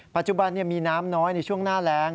ปัจจุบันมีน้ำน้อยในช่วงหน้าแรง